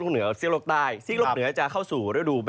โอ้โฮตัวเยาว์